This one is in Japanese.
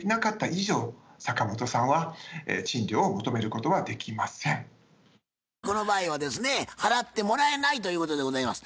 したがって今回はこの場合はですね払ってもらえないということでございます。